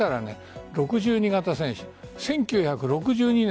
６２形戦車、１９６２年。